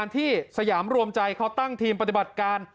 ที่สยามรวมใจเขาตั้งทีมปฏิบัติการ